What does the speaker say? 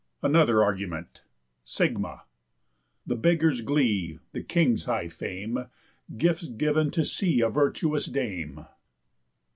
ANOTHER ARGUMENT Σίγμα. The beggar's glee. The King's high fame. Gifts giv'n to see A virtuous dame.